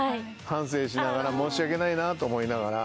反省しながら申し訳ないなと思いながら。